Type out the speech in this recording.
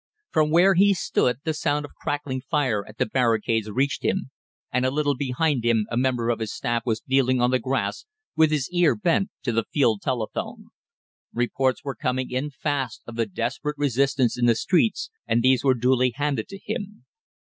From where he stood the sound of crackling fire at the barricades reached him, and a little behind him a member of his staff was kneeling on the grass with his ear bent to the field telephone. Reports were coming in fast of the desperate resistance in the streets, and these were duly handed to him.